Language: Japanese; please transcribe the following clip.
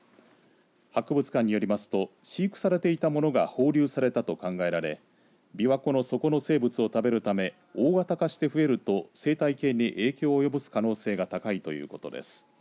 博物館によりますと飼育されていたものが放流されたと考えられびわ湖の底の生物を食べるため大型化して増えると生態系に影響を及ぼす可能性が高いということです。